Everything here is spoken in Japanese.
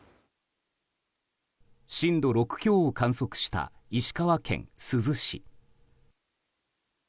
震度６強を観測した石川県珠洲市。